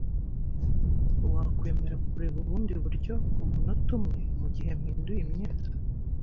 Wakwemera kureba ubundi buryo kumunota umwe mugihe mpinduye imyenda?